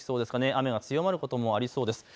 雨が強まることもありそうです。